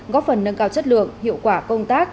góp phần nâng cao chất lượng hiệu quả công tác